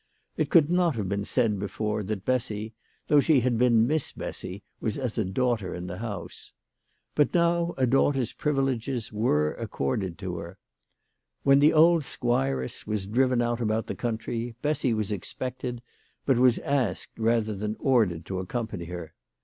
It could not have been said before that Bessy, though she had been Miss Bessy, was as a daughter in the house. But now a daughter's privileges were accorded to her. When the old squiress was driven out about the county, Bessy was expected, but was asked rather than ordered to accompany her.